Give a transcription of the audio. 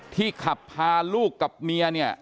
ขับพาลูกกับเมียเนี่ย